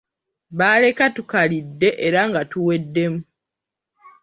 Baleka tukalidde era nga tuwedemu.